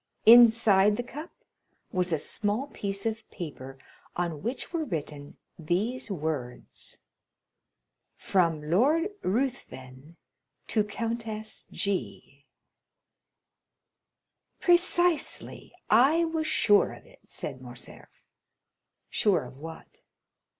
Inside the cup was a small piece of paper, on which were written these words—'From Lord Ruthven to Countess G——.'" "Precisely; I was sure of it," said Morcerf. "Sure of what?"